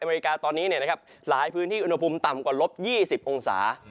อเมริกาตอนนี้เนี่ยนะครับหลายพื้นที่อุณหภูมิต่ำกว่าลบยี่สิบองศา